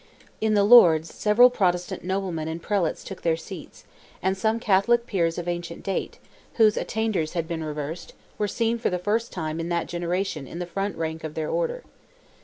In the Lords several Protestant noblemen and prelates took their seats, and some Catholic peers of ancient date, whose attainders had been reversed, were seen for the first time in that generation in the front rank of their order.